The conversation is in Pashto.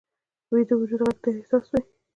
ویده وجود غږ ته حساس وي